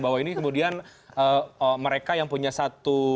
bahwa ini kemudian mereka yang punya satu